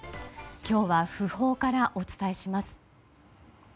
今日は訃報からお伝えします。